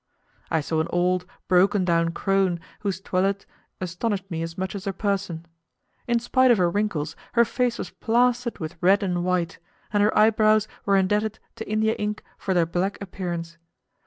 I saw an old, broken down crone whose toilet astonished me as much as her person. In spite of her wrinkles, her face was plastered with red and white, and her eyebrows were indebted to India ink for their black appearance.